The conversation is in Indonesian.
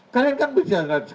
kalian kan bersidang